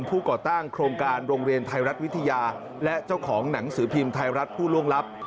ก่อตั้งโครงการโรงเรียนไทยรัฐวิทยาและเจ้าของหนังสือพิมพ์ไทยรัฐผู้ล่วงลับ